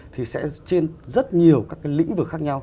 thì sẽ trên rất nhiều các cái lĩnh vực khác nhau